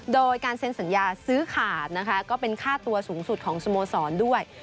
โดยการเซ็นสัญญาซื้อขาดนะคะก็เป็นค่าตัวสูงสุดของสโมสรด้วย